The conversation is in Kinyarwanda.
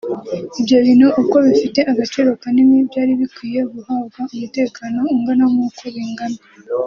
Ibyo bintu uko bifite agaciro kanini byari bikwiye guhabwa umutekano ungana n’uko bingana